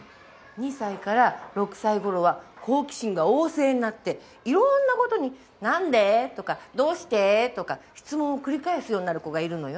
２歳から６歳頃は好奇心が旺盛になっていろんな事に「なんで？」とか「どうして？」とか質問を繰り返すようになる子がいるのよ。